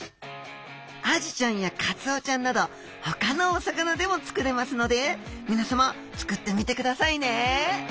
アジちゃんやカツオちゃんなどほかのお魚でも作れますのでみなさま作ってみてくださいね